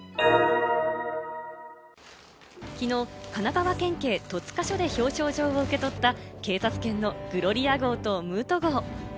きのう神奈川県警戸塚署で表彰状を受け取った警察犬のグロリア号とムート号。